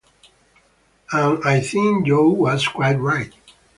And I think Jo was quite right.